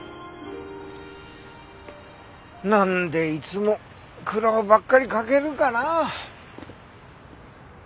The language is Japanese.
なんでいつも苦労ばっかりかけるかな。